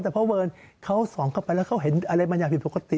แต่เพราะเวิร์นเขาส่องเข้าไปแล้วเขาเห็นอะไรบางอย่างผิดปกติ